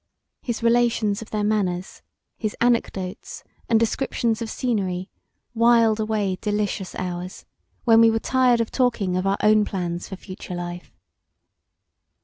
His relations of their manners, his anecdotes and descriptions of scenery whiled away delicious hours, when we were tired of talking of our own plans of future life.